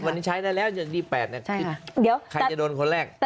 วันนี้ใช้ได้แล้ววันที่๘น่ะใครจะโดนคนแรก